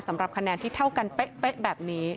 สำหรับคะแนนที่เท่ากันเป๊ะแบบนี้